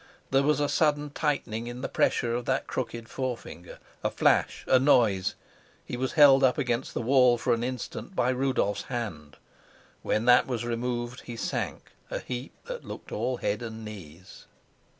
There was a sudden tightening in the pressure of that crooked forefinger, a flash, a noise. He was held up against the wall for an instant by Rudolf's hand; when that was removed he sank, a heap that looked all head and knees.